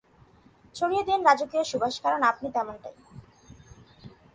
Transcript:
ছড়িয়ে দিন রাজকীয় সুবাস, কারণ আপনি তেমনটাই।